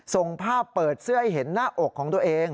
ส่งภาพเปิดเสื้อให้เห็นหน้าอกของตัวเอง